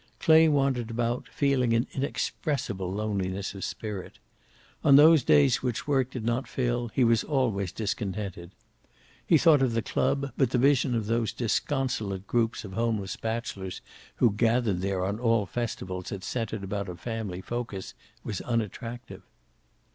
Clay wandered about, feeling an inexpressible loneliness of spirit. On those days which work did not fill he was always discontented. He thought of the club, but the vision of those disconsolate groups of homeless bachelors who gathered there on all festivals that centered about a family focus was unattractive.